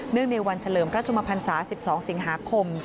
เนื่องในวันเฉลิมพระชมพันธ์ศาสตร์๑๒สิงหาคม